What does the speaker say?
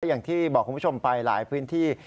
อย่างที่บอกคุณผู้ชมไปหลายพื้นที่